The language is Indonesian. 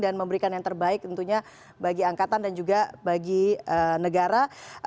dan memberikan yang terbaik tentunya bagi angkatan dan juga bagi negara